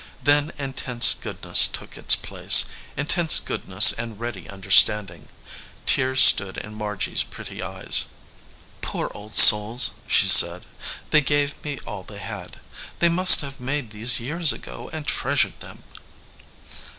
Then intense goodness took its place, intense goodness and ready understanding. Tears stood in Margy s pretty eyes. "Poor old souls," she said; "they gave me all they had. They must fcave made these years ago and treasured them."